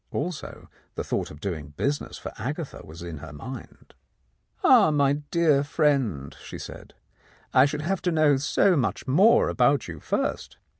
Also the thought of doing business for Agatha was in her mind. "Ah, my dear friend," she said, "I should have to know so much more about you first.